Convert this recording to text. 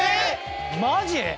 マジ？